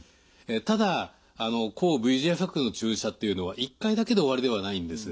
ただ抗ＶＥＧＦ薬の注射っていうのは１回だけで終わりではないんです。